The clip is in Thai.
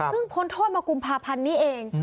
พ้นโทษมากุมภาพันธ์นี้เอง